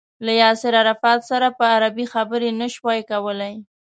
له ياسر عرفات سره په عربي خبرې نه شوای کولای.